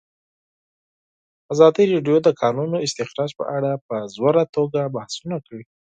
ازادي راډیو د د کانونو استخراج په اړه په ژوره توګه بحثونه کړي.